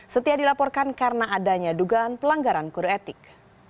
setia dilaporkan karena adanya dugaan pelanggaran kode etik